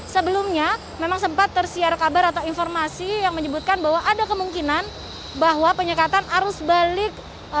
sebelumnya memang sempat tersiar kabar atau informasi yang menyebutkan bahwa ada kemungkinan bahwa penyekatan arus balik